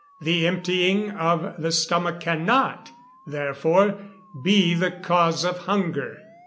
The emptying of the stomach cannot, therefore, be the cause of hunger.